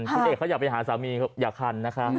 คุณเอกเขาอยากไปหาสามีอย่าคันนะคะ